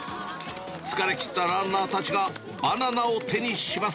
疲れ切ったランナーたちがバナナを手にします。